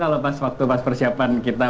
kalau pas waktu pas persiapan kita